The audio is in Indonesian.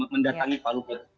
mendatangi pak luhut